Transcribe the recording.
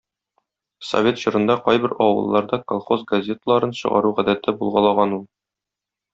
Совет чорында кайбер авылларда колхоз газетларын чыгару гадәте булгалаган ул.